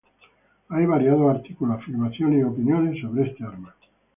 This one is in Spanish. Hay variados artículos, afirmaciones y opiniones sobre esta arma.